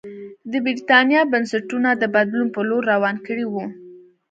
د برېټانیا بنسټونه د بدلون په لور روان کړي وو.